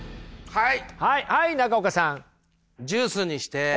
はい。